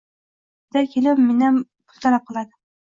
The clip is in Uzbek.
Har oyda kelib mendan pul talab qiladi